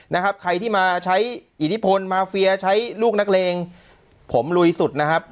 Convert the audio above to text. นะครับใครที่มาใช้อิทธิพลมาเฟียใช้ลูกนักเลงผมลุยสุดนะครับ